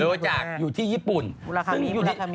รู้จักอยู่ที่ญี่ปุ่นมิราคมิมิราคมิ